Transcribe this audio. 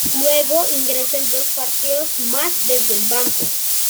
Luego ingresó en dos partidos más desde el banco.